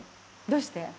どうして？